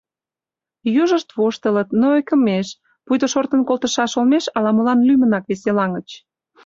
Южышт воштылыт, но ӧкымеш, пуйто шортын колтышаш олмеш ала-молан лӱмынак веселаҥыч.